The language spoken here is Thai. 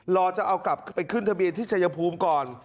รอจะเอากลับไปขึ้นทะเบียนที่ชายภูมิก่อน